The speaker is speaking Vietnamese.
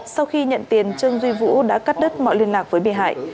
sau khi nhận tiền trương duy vũ đã cắt đứt mọi liên lạc với bị hại